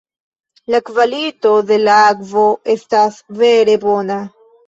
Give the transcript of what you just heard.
La kvalito de la akvo estas vere bona.